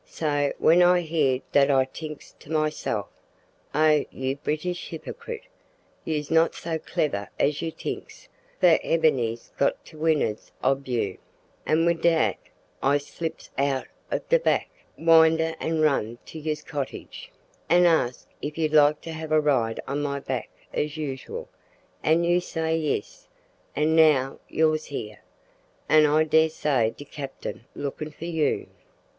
So w'en I hear dat I tink's to myself, `oh! you British hipperkrit, you's not so clebber as you t'inks, for Ebony's got to wind'ard ob you,' an' wid dat I slips out ob do back winder an' run to you's cottage, an' ask if you'd like to have a ride on my back as usual, an' you say yis, an' now you's here, an' I dessay de cappin's lookin' for you."